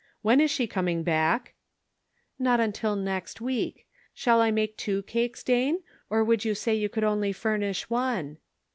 When is she coming back ?" "Not until next week. Shall I make two cakes, Dane, or would you say you could only furnish one